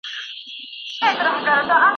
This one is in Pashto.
تاسو باید د مقالي لپاره یو ترتیب جوړ کړئ.